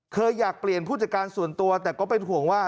เคยอยากเปลี่ยนผู้จัดการส่วนตัวแต่ก็เป็นห่วงว่า